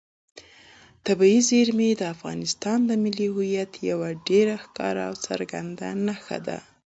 طبیعي زیرمې د افغانستان د ملي هویت یوه ډېره ښکاره او څرګنده نښه ده.